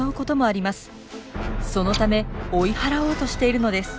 そのため追い払おうとしているのです。